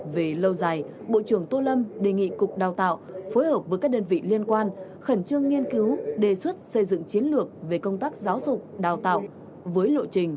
về lâu dài bộ trưởng tô lâm đề nghị cục đào tạo phối hợp với các đơn vị liên quan khẩn trương nghiên cứu đề xuất xây dựng chiến lược về công tác giáo dục đào tạo với lộ trình